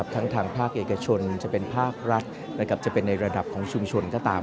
ทั้งทางภาคเอกชนภาครัฐในระดับของชุมชนก็ตาม